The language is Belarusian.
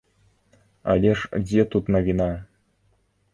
Але ж дзе тут навіна?